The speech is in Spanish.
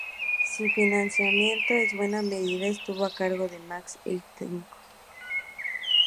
Su financiamiento en buena medida estuvo a cargo de Max Eitingon.